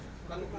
tidak terjadi pak